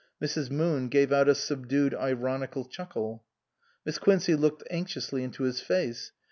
Mrs. Moon gave out a subdued ironical chuckle. Miss Quincey looked anxiously into his face.